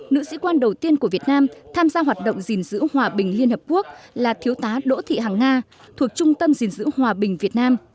nữ sĩ quan đầu tiên của việt nam tham gia hoạt động gìn giữ hòa bình liên hợp quốc là thiếu tá đỗ thị hằng nga thuộc trung tâm diện giữ hòa bình việt nam